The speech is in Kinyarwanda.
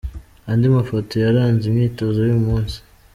Andi mafoto yaranze imyitozo y’uyu munsi.